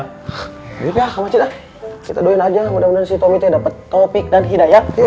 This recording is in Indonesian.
kita doain aja mudah mudahan si tom itu dapat topik dan hidayah